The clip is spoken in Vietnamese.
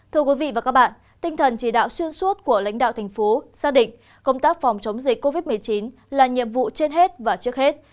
thưa quý vị và các bạn tinh thần chỉ đạo xuyên suốt của lãnh đạo thành phố xác định công tác phòng chống dịch covid một mươi chín là nhiệm vụ trên hết và trước hết